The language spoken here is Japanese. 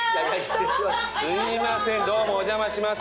すいませんどうもお邪魔します。